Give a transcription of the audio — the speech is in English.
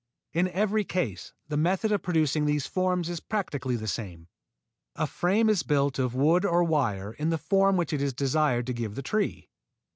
In every case the method of producing these forms is practically the same. A frame is built of wood or wire in the form which it is desired to give the tree.